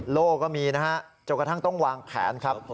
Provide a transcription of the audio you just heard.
โล่ก็มีนะฮะจนกระทั่งต้องวางแผนครับ